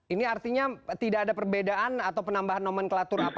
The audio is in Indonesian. ini artinya tidak ada perbedaan atau penambahan nomenklatur apapun begitu dari insentif